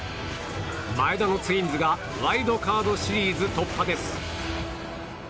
前田のツインズがワイルドカードシリーズ突破です。